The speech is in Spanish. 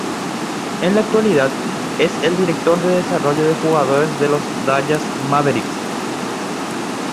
En la actualidad es el Director de Desarrollo de Jugadores de los Dallas Mavericks.